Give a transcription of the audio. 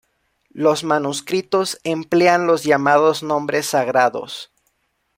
Los manuscritos emplean los llamados nombres sagrados.